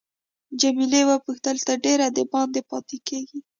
جميله وپوښتل تر ډېره دباندې پاتې کیږې.